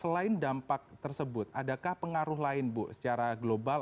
selain dampak tersebut adakah pengaruh lain bu secara global